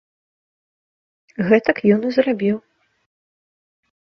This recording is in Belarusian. Гэтак ён і зрабіў.